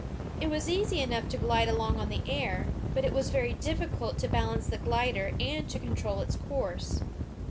It was easy enough to glide along on the air, but it was very difficult to balance the glider and to control its course.